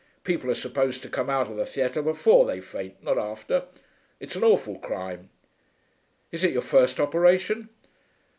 People are supposed to come out of the theatre before they faint, not after. It's an awful crime.... Is it your first operation?